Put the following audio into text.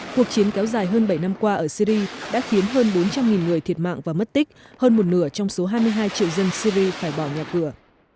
cuộc chiến kéo dài hơn bảy năm qua ở syri đã khiến hơn bốn trăm linh người thiệt mạng và mất tích hơn một nửa trong số hai mươi hai triệu dân syri phải bỏ nhà cửa